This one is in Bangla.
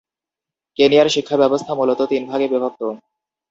কেনিয়ার শিক্ষাব্যবস্থা মূলত তিনভাগে বিভক্ত।